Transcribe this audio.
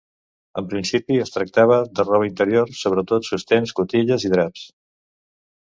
En principi es tractava de roba interior, sobretot sostens, cotilles i draps.